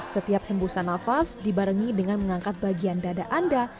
setiap hembusan nafas dibarengi dengan mengangkat bagian dada anda